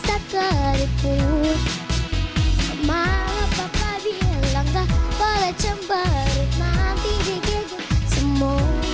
ayolah bernyanyi gak boleh berseru